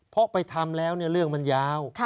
เพราะไปทำแล้วเรื่องมันยาว